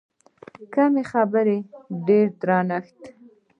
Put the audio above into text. کمې خبرې، ډېر درنښت.